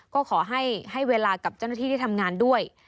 ก็ขอให้เวลากับเจ้าหน้าที่ที่ทำงานด้วย